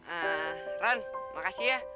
ah ran makasih ya